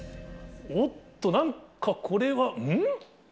おっと、なんかこれは、ん？